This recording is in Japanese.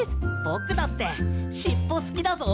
ぼくだってしっぽすきだぞ。